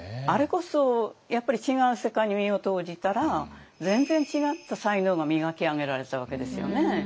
あれこそやっぱり違う世界に身を投じたら全然違った才能が磨き上げられたわけですよね。